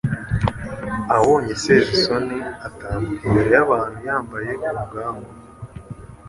abonye Sezisoni atambuka imbere y' abantu yambaye umugangu.